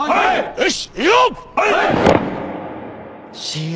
よし。